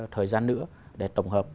thời gian nữa để tổng hợp